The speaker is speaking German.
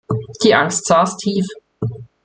Die Angst saß tief.